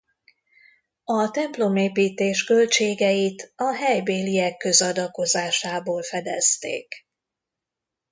A templomépítés költségeit a helybéliek közadakozásából fedezték.